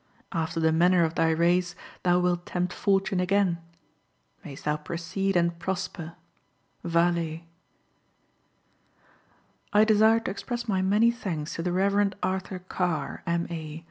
After the manner of thy race thou wilt tempt Fortune again. May'st thou proceed and prosper!_ Vale. _I desire to express my many thanks to the Rev. Arthur Carr, M.A.